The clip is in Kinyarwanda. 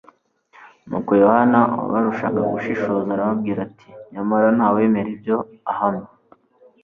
nuko Yohana wabarushaga gushishoza arababwira ati: "Nyamara nta wemera ibyo ahamya".